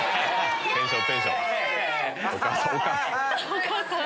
・お母さん！